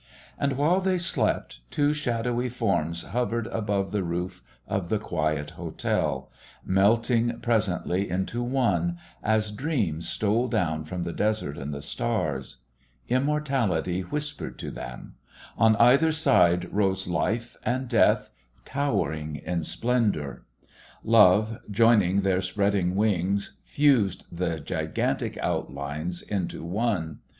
And, while they slept, two shadowy forms hovered above the roof of the quiet hotel, melting presently into one, as dreams stole down from the desert and the stars. Immortality whispered to them. On either side rose Life and Death, towering in splendour. Love, joining their spreading wings, fused the gigantic outlines into one.